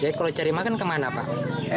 jadi kalau cari makan kemana pak